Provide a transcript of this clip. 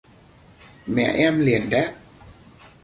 mẹ em liền đáp